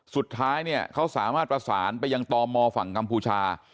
สุดท้ายเนี่ยเขาสามารถประสานไปยังตมฝั่งกัมพูชา